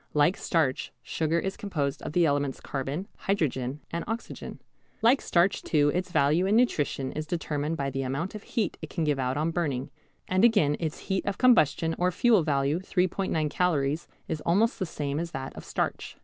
Like starch, sugar is composed of the elements carbon, hydrogen, and oxygen. Like starch too its value in nutrition is determined by the amount of heat it can give out on burning, and again its heat of combustion or fuel value 3·9 calories is almost the same as that of starch.